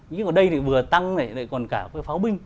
nhưng ở đây thì vừa tăng còn cả cái pháo binh